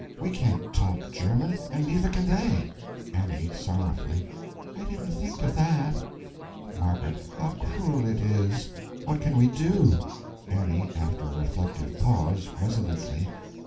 we can't talk German and neither can they! A. (Sorrowfully.) I didn't think of that. M. How cruel it is! What can we do? A. (After a reflective pause, resolutely.)